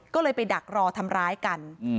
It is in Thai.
ก็เลยไปดักรอทำร้ายกัน